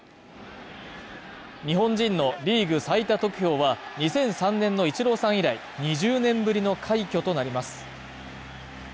日本人のリーグ最多得票は２００３年のイチローさん以来２０年ぶりの快挙となります。